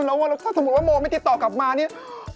แล้วถ้าสมมุติว่าโมไม่ติดต่อกลับมานี่